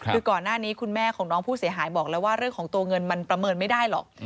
คือก่อนหน้านี้คุณแม่ของน้องผู้เสียหายบอกแล้วว่าเรื่องของตัวเงินมันประเมินไม่ได้หรอก